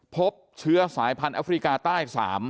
พบเชื้อสายพันธุ์แอฟริกาใต้๓